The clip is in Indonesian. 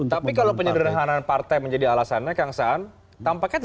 tapi kalau kita naikkan thresholdnya orang nanti juga akan berpikir lebih serius untuk membangun partai